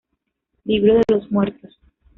Libro de los muertos.